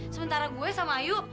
sementara gue sama ayu